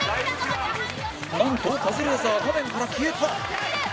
なんとカズレーザー画面から消えた！